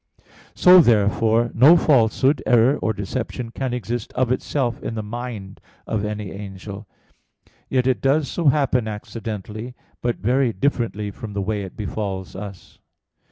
So therefore, no falsehood, error, or deception can exist of itself in the mind of any angel; yet it does so happen accidentally; but very differently from the way it befalls us.